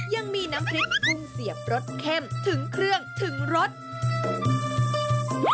ยังมีน้ำพริกกุ้งเสียบรสเข้มถึงเครื่องถึงรส